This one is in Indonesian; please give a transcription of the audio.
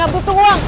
saya gak butuh uang